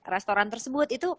restoran tersebut itu